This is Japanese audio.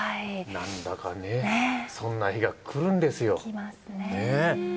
なんだかねそんな日が来るんですよ。来ますね。